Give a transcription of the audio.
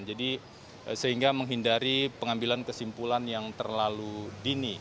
jadi sehingga menghindari pengambilan kesimpulan yang terlalu dini